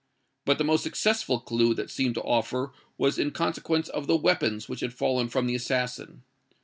But the most successful clue that seemed to offer was in consequence of the weapons which had fallen from the assassin.